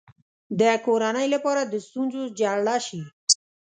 د کورنۍ لپاره د ستونزو جرړه شي.